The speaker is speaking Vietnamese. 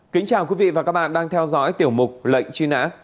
kính chào quý vị và các bạn đang theo dõi tiểu mục lệnh truy nã